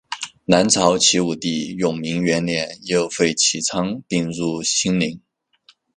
南朝齐武帝永明元年又废齐昌并入兴宁。